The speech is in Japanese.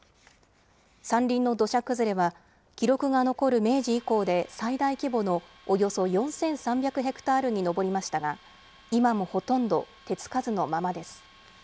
山林の土砂崩れは、記録が残る明治以降で最大規模のおよそ４３００ヘクタールに上りましたが、今もほとんど手つかずのままです。